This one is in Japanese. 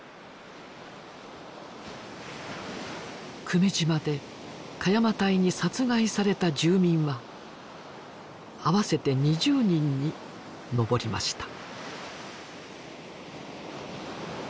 久米島で鹿山隊に殺害された住民は合わせて２０人に上りました。